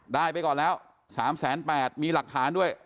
ได้ไปก่อนแล้ว๓๘๐๐มีหลักฐานด้วย